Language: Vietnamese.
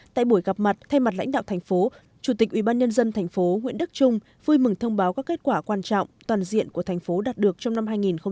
tại buổi gặp mặt thay mặt lãnh đạo thành phố chủ tịch ubnd tp nguyễn đức trung vui mừng thông báo các kết quả quan trọng toàn diện của thành phố đạt được trong năm hai nghìn một mươi chín